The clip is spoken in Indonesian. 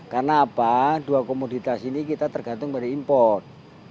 karena apa dua komoditas ini kita tergantung dari import